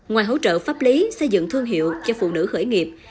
ngoài hỗ trợ pháp lý xây dựng thương hiệu cho phụ nữ khởi nghiệp